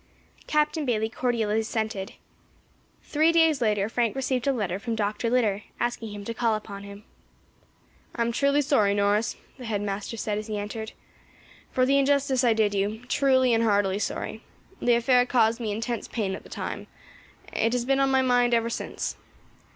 Captain Bayley cordially assented. Three days later Frank received a letter from Dr. Litter asking him to call upon him. "I am truly sorry, Norris," the head master said, as he entered, "for the injustice I did you; truly and heartily sorry. The affair caused me intense pain at the time; it has been on my mind ever since.